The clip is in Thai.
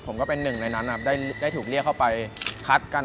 ผมก็เป็นหนึ่งในนั้นนะครับได้ถูกเรียกเข้าไปคัดกัน